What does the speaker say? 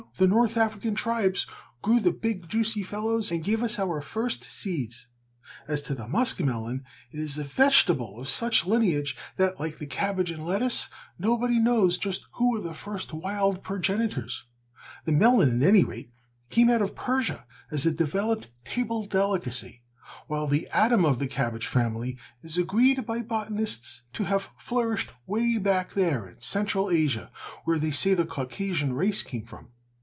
the north African tribes grew the big, juicy fellows and gave us our first seeds. As to the musk melon, it is a vegetable of such lineage that, like the cabbage and lettuce, nobody knows just who were their first wild progenitors. The melon, at any rate, came out of Persia as a developed table delicacy, while the Adam of the cabbage family is agreed by botanists to have flourished way back there in Central Asia, where they say the Caucasian race came from.